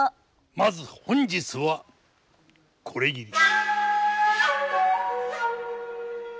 まず本日はこれぎり。